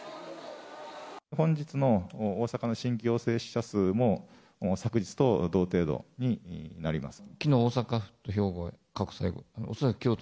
本日の大阪の新規陽性者数も、昨日と同程度になります。